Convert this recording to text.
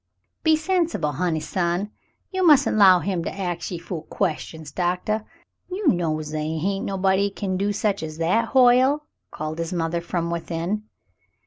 "Be sensible, honey son. You mustn't 'low him to ax ye fool questions, Doctah. You knows they hain't nobody kin do such as that, Hoyle," called his mother from within.